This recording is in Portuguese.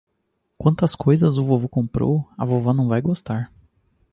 Quantas coisas o vovô comprou! A vovô não vai gostar.